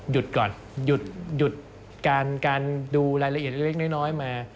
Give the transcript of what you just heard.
ก่อนหยุดการดูรายละเอียดเล็กน้อยมา